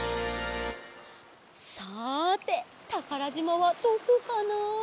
さてたからじまはどこかな？